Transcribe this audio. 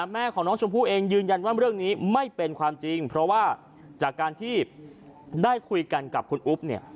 แม่ของน้องชมพู่เองยืนยันว่าเรื่องนี้ไม่เป็นความจริงเพราะว่าจากการที่ได้คุยกันกับคุณอุ๊บเนี่ย